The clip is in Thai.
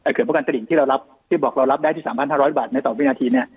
เอ่อเสริมการเตรียมที่เรารับที่บอกเรารับได้ที่สามบ้านทั้งร้อยบาทในต่อวินาทีเนี่ย